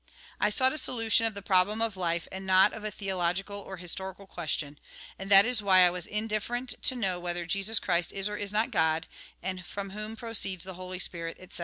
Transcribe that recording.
I sought a solution of the problem of life, and not of a theological or historical question ; and that is why I was indifferent to know whether Jesus Christ is or is not God, and from whom proceeds the Holy Spirit, etc.